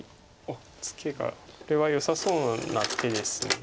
ツケがこれはよさそうな手です。